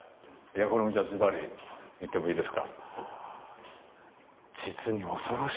これもじゃあずばり言ってもいいですか？